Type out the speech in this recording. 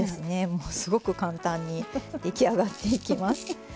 もうすごく簡単に出来上がっていきます。